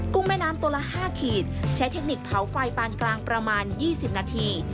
แม่น้ำตัวละ๕ขีดใช้เทคนิคเผาไฟปานกลางประมาณ๒๐นาที